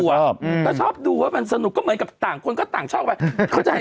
ก็ชอบดูมันสนุกก็เหมือนกับต่างคนชอบไป